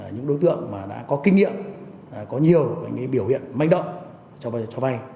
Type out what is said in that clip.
những đối tượng đã có kinh nghiệm có nhiều biểu hiện manh động cho vay